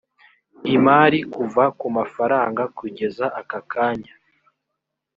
imari kuva ku mafaranga kugeza akakanya